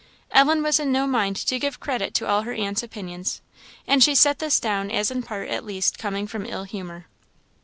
Ellen was in no mind to give credit to all her aunt's opinions, and she set this down as in part at least coming from ill humour.